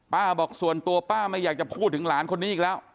บอกส่วนตัวป้าไม่อยากจะพูดถึงหลานคนนี้อีกแล้ว